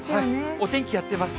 お天気やってます。